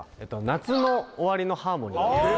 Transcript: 「夏の終わりのハーモニー」